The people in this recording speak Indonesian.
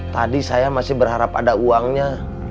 tadi saya masih berharap ada uangnya